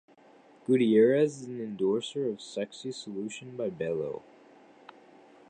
Gutierrez is an endorser of Sexy Solution by Belo.